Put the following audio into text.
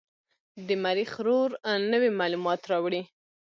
د مریخ روور نوې معلومات راوړي.